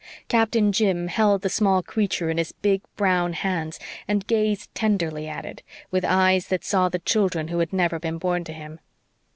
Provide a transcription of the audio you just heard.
Captain Jim held the small creature in his big brown hands and gazed tenderly at it, with eyes that saw the children who had never been born to him.